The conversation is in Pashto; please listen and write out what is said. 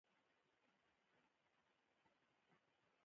ایا زه چاغ یم؟